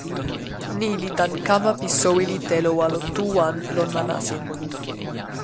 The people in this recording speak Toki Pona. ni li tan kama pi soweli telo walo tu wan lon ma nasin.